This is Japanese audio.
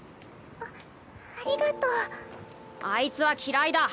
あありがとうあいつは嫌いだ。